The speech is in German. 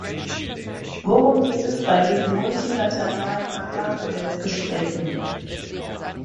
Worum geht es bei diesen multilateralen Agrarhandelsgesprächen?